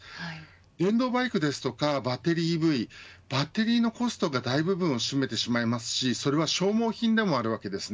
電動バイクですとかバッテリーＥＶバッテリーのコストが大部分を占めてしまいますしそれは消耗品でもあるわけです。